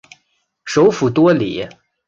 首府多里。